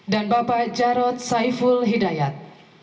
dan bapak jarod saiful hidayat